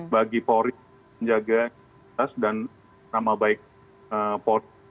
bagi polri menjaga identitas dan nama baik polri